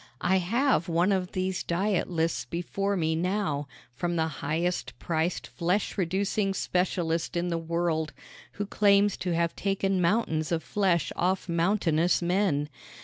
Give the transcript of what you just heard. I have one of these diet lists before me now from the highest priced flesh reducing specialist in the world, who claims to have taken mountains of flesh off mountainous men.